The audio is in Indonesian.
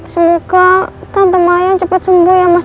semoga tante mayang cepat sembuh ya mas randy